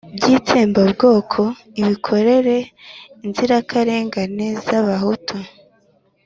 by'itsembabwoko ibikorera inzirakarengane z'abahutu.